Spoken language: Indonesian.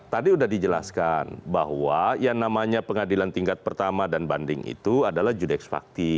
tadi sudah dijelaskan bahwa yang namanya pengadilan tingkat pertama dan banding itu adalah judex fakti